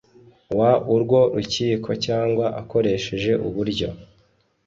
W urwo rukiko cyangwa akoresheje uburyo